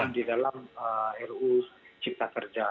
di dalam ruu cipta kerja